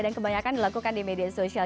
dan kebanyakan dilakukan di media sosial